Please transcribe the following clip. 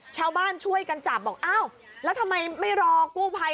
ชาวบ้านช่วยกันจับบอกอ้าวแล้วทำไมไม่รอกู้ภัย